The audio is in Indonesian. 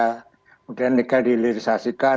kemudian nikah dilirisasikan